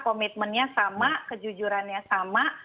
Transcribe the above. komitmennya sama kejujurannya sama